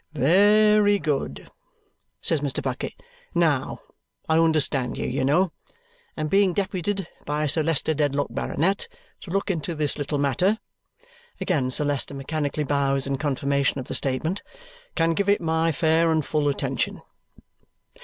"Very good," says Mr. Bucket. "Now I understand you, you know, and being deputed by Sir Leicester Dedlock, Baronet, to look into this little matter," again Sir Leicester mechanically bows in confirmation of the statement, "can give it my fair and full attention.